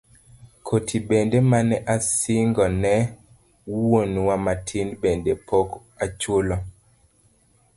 Koti bende mane asingo ne wuonwa matin bende pok achulo.